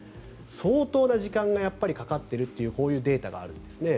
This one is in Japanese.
相当な時間がかかっているというデータがあるんですね。